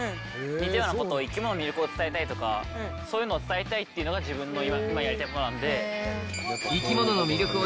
似たようなことを生き物の魅力を伝えたいとかそういうのを伝えたいというのが自分の今やりたいことなんで。